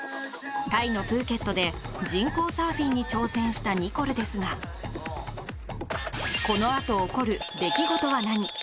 タイのプーケットで人工サーフィンに挑戦したニコルですがこのあと起こる出来事は何？